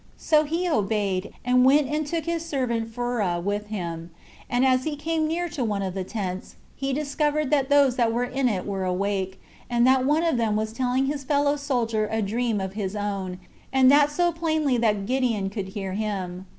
So he obeyed, and went and took his servant Phurah with him; and as he came near to one of the tents, he discovered that those that were in it were awake, and that one of them was telling to his fellow soldier a dream of his own, and that so plainly that Gideon could hear him.